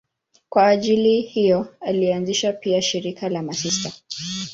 Kwa ajili hiyo alianzisha pia shirika la masista.